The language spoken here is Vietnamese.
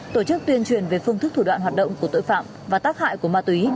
tổ chức tuyên truyền về phương thức thủ đoạn hoạt động của tội phạm và tác hại của ma túy